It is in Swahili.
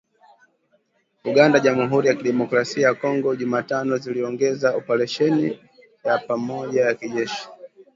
Uganda na Jamhuri ya Kidemokrasi ya Kongo, Jumatano ziliongeza operesheni ya pamoja ya kijeshi